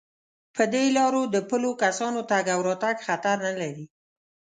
په دې لارو د پلو کسانو تگ او راتگ خطر نه لري.